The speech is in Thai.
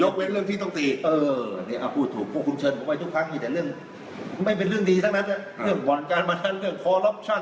คุยที่นซีวันพฤษนายนไปหมายงานออกกำลังกาย